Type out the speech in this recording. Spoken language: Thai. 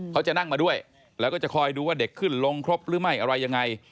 เขาจะนั่งมาด้วยแล้วก็จะคอยดูว่าเด็กขึ้นลงครบหรือไม่อะไรยังไง